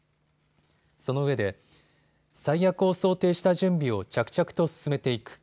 そのうえで最悪を想定した準備を着々と進めていく。